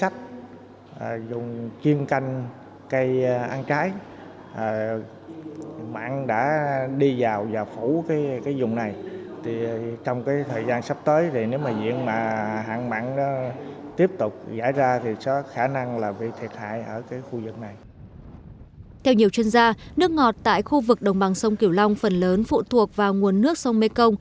theo nhiều chuyên gia nước ngọt tại khu vực đồng bằng sông cửa long phần lớn phụ thuộc vào nguồn nước sông mê công